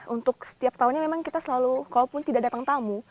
untuk setiap tahunnya memang kita selalu kalaupun tidak datang tamu